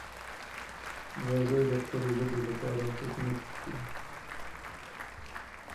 It featured the hit song 'Life', featuring Bird.